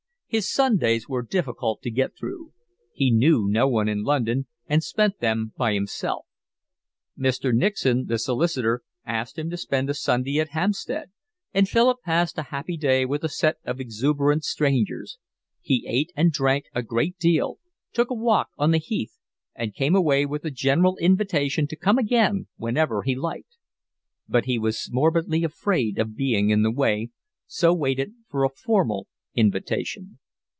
His Sundays were difficult to get through. He knew no one in London and spent them by himself. Mr. Nixon, the solicitor, asked him to spend a Sunday at Hampstead, and Philip passed a happy day with a set of exuberant strangers; he ate and drank a great deal, took a walk on the heath, and came away with a general invitation to come again whenever he liked; but he was morbidly afraid of being in the way, so waited for a formal invitation.